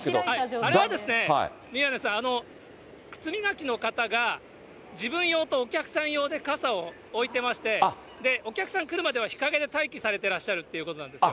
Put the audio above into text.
あれはですね、宮根さん、靴磨きの方が、自分用とお客さん用で置いていまして、お客さん来るまでは、日陰で待機されてらっしゃるということなんですよ。